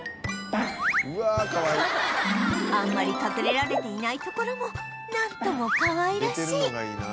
あんまり隠れられていないところもなんともかわいらしい